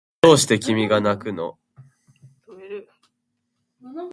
どうして君がなくの